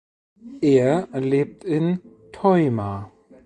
Er lebt in Theuma.